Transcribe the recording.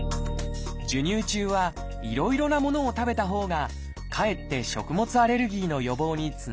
授乳中はいろいろなものを食べたほうがかえって食物アレルギーの予防につながるというのです。